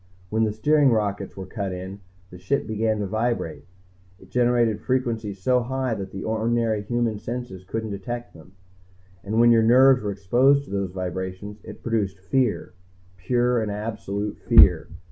"When the steering rockets were cut in, the Ship began to vibrate. It generated frequencies so high that ordinary human senses couldn't detect them. And when your nerves were exposed to those vibrations, it produced fear. Pure and absolute fear.